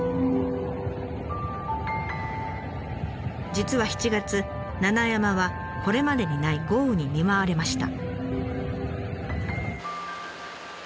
実は７月七山はこれまでにない豪雨に見舞われました。